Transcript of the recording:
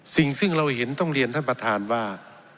สิ่งซึ่งเราเห็นต้องเรียนท่านประธานว่า